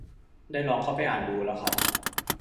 ได้ลองเข้าไปอ่านดูแล้วครับ